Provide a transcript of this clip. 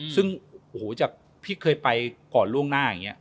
ซึ่งโอ้โหจากพี่เคยไปก่อนล่วงหน้าอย่างนี้